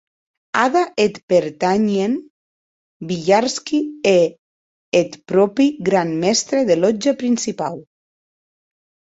Ada eth pertanhien Villarski e eth pròpi gran mèstre de lòtja principau.